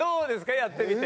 やってみて。